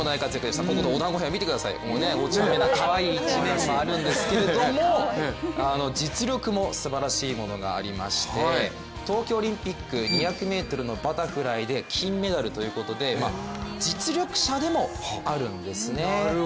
お団子ヘア見てください、おちゃめなかわいい一面もあるんですけれども実力もすばらしいものがありまして、東京オリンピック２００ｍのバタフライで金メダルということで実力者でもあるんですね。